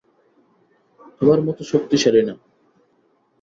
তোমার মতো শক্তিশালী না।